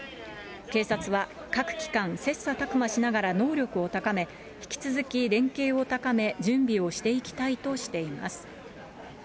警察は、各機関、切さたく磨しながら能力を高め、引き続き連携を高め、準備をしていきたいとしています。